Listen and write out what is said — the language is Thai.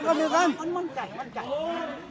พ่อหนูเป็นใคร